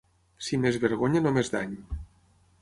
Si m'és vergonya, no m'és dany.